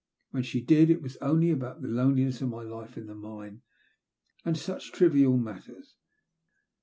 When she did, it was only about the loneliness of my life on the mine, and such like trivial matters.